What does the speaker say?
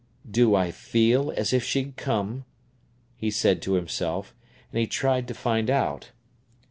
"Do I feel as if she'd come?" he said to himself, and he tried to find out.